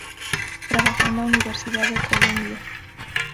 Trabajó en la Universidad de Columbia.